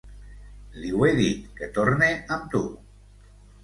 Li ho he dit, que torne amb tu.